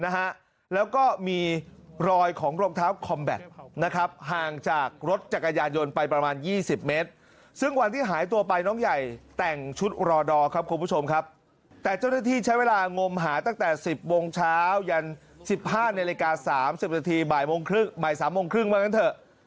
หาตั้งแต่๑๐โมงเช้ายัน๑๕ในรายการ๓๐สักทีบ่าย๓โมงครึ่งวันนั้นเถอะ